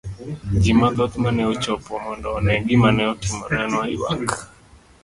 Ji mathoth mane ochopo mondo one gima ne otimore noyuak.